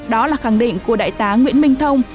đó là khẳng định của đại tá nguyễn minh thông